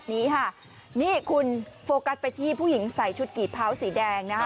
นี่คุณโฟกัสไปที่ผู้หญิงใส่ชุดกีภาวสีแดงนะฮะ